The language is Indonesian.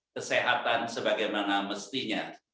kesehatan sebagaimana mestinya